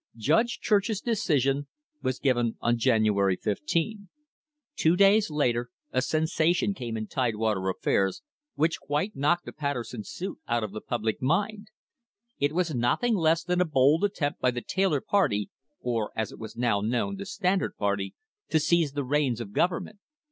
Judge Church's decision was given on January 15. Two days later a sensation came in Tidewater affairs, which quite knocked the Patterson suit out of the public mind; it was nothing less than a bold attempt by the Taylor party, or, as it was now known, "the Standard party," to seize the reins of government.